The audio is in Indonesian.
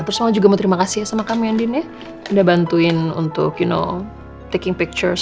terus mau juga mau terima kasih ya sama kamu andine udah bantuin untuk you know taking pictures